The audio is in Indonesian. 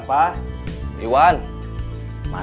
pasar dan terminal